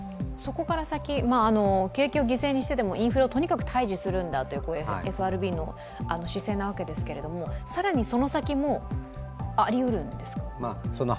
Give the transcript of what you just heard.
ここから先、景気を犠牲にしてでもインフレをとにかく退治するんだというＦＲＢの姿勢なわけですけれども、更にその先もありうるんですか。